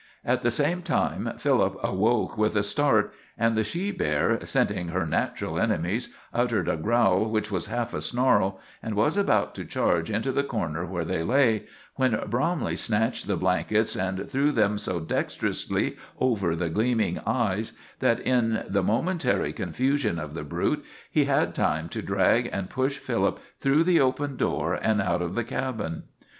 At the same time Philip awoke with a start, and the she bear, scenting her natural enemies, uttered a growl which was half a snarl, and was about to charge into the corner where they lay, when Bromley snatched the blankets and threw them so dexterously over the gleaming eyes that in the momentary confusion of the brute he had time to drag and push Philip through the open door and out of the cabin.